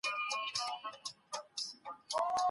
افغان لیکوالان د نړیوالي ټولني بشپړ ملاتړ نه لري.